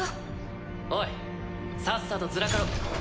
おいさっさとずらかろ。